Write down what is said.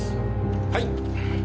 はい。